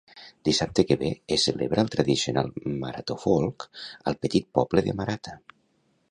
Dissabte que ve es celebra el tradicional Maratafolk al petit poble de Marata